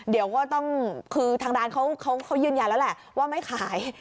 เดี๋ยวก็ต้องคือทางร้านเขายืนยันแล้วแหละว่าไม่ขาย